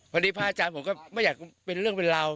พระอาจารย์ผมก็ไม่อยากเป็นเรื่องเป็นราว